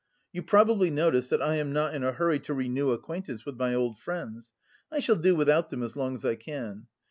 You probably notice that I am not in a hurry to renew acquaintance with my old friends. I shall do without them as long as I can.